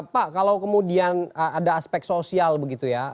pak kalau kemudian ada aspek sosial begitu ya